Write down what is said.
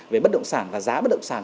về bất động sản và giá bất động sản